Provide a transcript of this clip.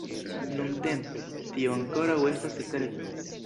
Nuntempe, tio ankoraŭ estas sekreto!